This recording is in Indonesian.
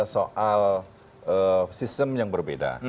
soal sistem yang berbeda